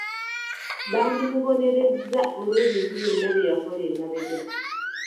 Bandimubonerezza olw'ebintu byonna bye yakola emabega.